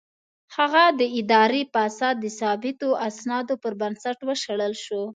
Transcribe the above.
هغه د اداري فساد د ثابتو اسنادو پر بنسټ وشړل شو.